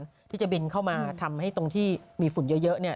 นครสวรรค์ที่จะบินเข้ามาทำให้ตรงที่มีฝุ่นเยอะเนี่ย